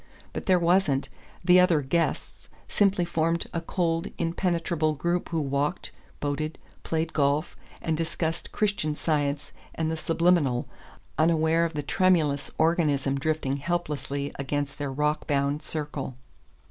But there wasn't the other "guests" simply formed a cold impenetrable group who walked, boated, played golf, and discussed Christian Science and the Subliminal, unaware of the tremulous organism drifting helplessly against their rock bound circle.